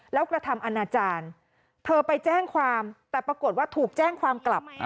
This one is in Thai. แล้วกระทำอนาจารย์เธอไปแจ้งความแต่ปรากฏว่าถูกแจ้งความกลับ